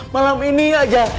malam ini aja